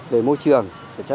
về môi trường